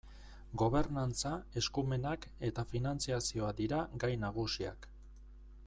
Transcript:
Gobernantza, eskumenak eta finantzazioa dira gai nagusiak.